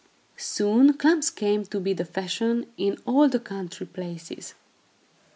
Soon klomps came to be the fashion in all the country places.